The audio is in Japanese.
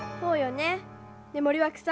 ね森脇さん。